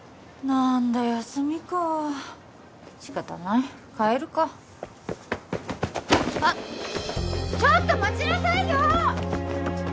なんだ休みか仕方ない帰るかあっちょっと待ちなさいよ！